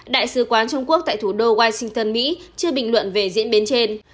đại sứ quán trung quốc tại thủ đô washington mỹ chưa bình luận về diễn biến trên